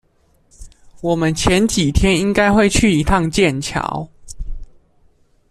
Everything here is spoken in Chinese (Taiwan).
我們前幾天應該會去一趟劍橋